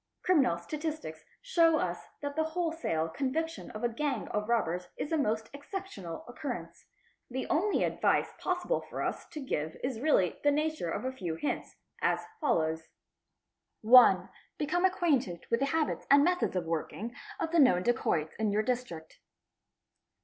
Criminal statistics show us that the wholesale conviction of a gang of robbers is a most exceptional occurrence. The only advice possible for us to give is really q in the nature of a few hints, as follows :— 1. Become acquainted with the habits and methods of working of the known dacotts of your District.